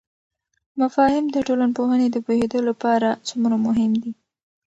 مفاهیم د ټولنپوهنې د پوهیدو لپاره څومره مهم دي؟